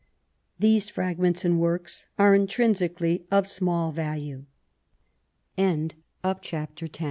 These fragments and works are intrinsically of small value. i6a CHAPTER X